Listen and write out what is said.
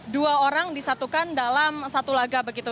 dua orang disatukan dalam satu laga begitu